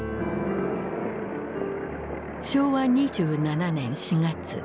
昭和２７年４月。